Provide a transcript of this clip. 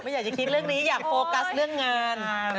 อยากจะคิดเรื่องนี้อยากโฟกัสเรื่องงาน